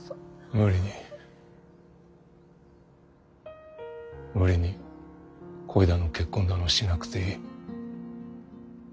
無理に無理に恋だの結婚だのしなくていい。